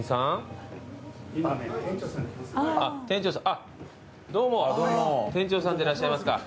・今ね店長さん来ます。